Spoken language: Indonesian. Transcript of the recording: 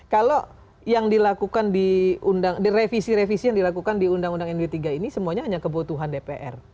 kalau yang dilakukan di revisi revisi yang dilakukan di undang undang md tiga ini semuanya hanya kebutuhan dpr